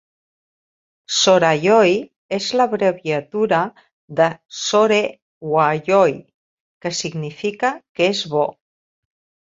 "Sorayoi" és l'abreviatura de "Sorewayoi," que significa "que és bo.